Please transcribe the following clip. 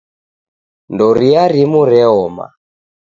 Ndoria rimu reoma